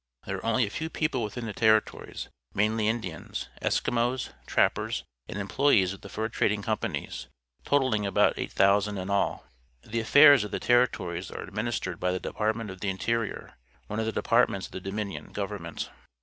There are only a few people within the Territories, mainly Indians, Eskimos, trappers, and emploj^ees of the fur trading companies, totalling about 8,000 in all. The affairs of the Terri tories are administered by the Department of the Interior — one of the Departments of the Dominion Government.